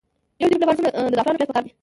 د یو جریب لپاره څومره د زعفرانو پیاز پکار دي؟